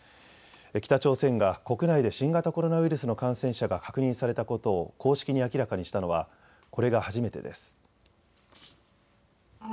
北朝鮮が国内で新型コロナウイルスの感染者が確認されたことを公式に明らかにしたのはこれが初めてです。